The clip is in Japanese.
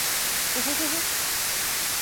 ほほほほほっ h